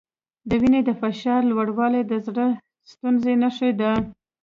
د وینې د فشار لوړوالی د زړۀ ستونزې نښه ده.